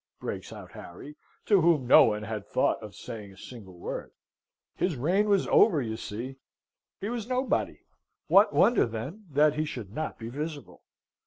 breaks out Harry, to whom no one had thought of saying a single word. His reign was over, you see. He was nobody. What wonder, then, that he should not be visible?